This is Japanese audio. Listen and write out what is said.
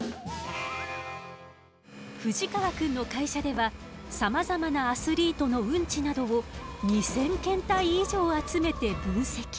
冨士川くんの会社ではさまざまなアスリートのウンチなどを２，０００検体以上集めて分析。